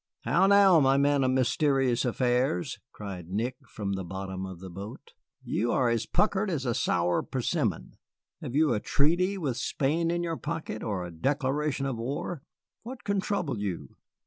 "How now, my man of mysterious affairs?" cried Nick, from the bottom of the boat; "you are as puckered as a sour persimmon. Have you a treaty with Spain in your pocket or a declaration of war? What can trouble you?"